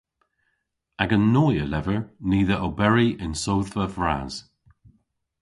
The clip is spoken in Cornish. Agan noy a lever ni dhe oberi yn sodhva vras.